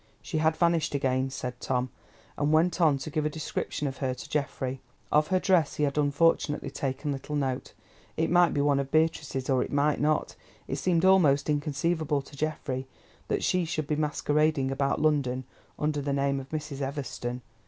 "She has vanished again," said "Tom," and went on to give a description of her to Geoffrey. Of her dress he had unfortunately taken little note. It might be one of Beatrice's, or it might not. It seemed almost inconceivable to Geoffrey that she should be masquerading about London, under the name of Mrs. Everston.